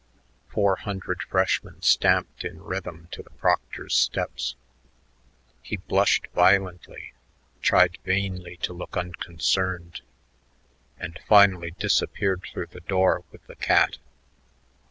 Four hundred freshmen stamped in rhythm to the proctor's steps. He Hushed violently, tried vainly to look unconcerned, and finally disappeared through the door with the cat.